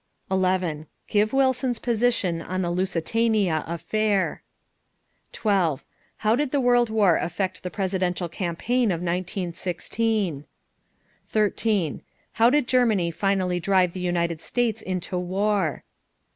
11. Give Wilson's position on the Lusitania affair. 12. How did the World War affect the presidential campaign of 1916? 13. How did Germany finally drive the United States into war?